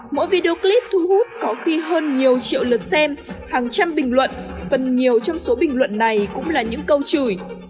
mỗi video clip thu hút có khi hơn nhiều triệu lượt xem hàng trăm bình luận phần nhiều trong số bình luận này cũng là những câu chửi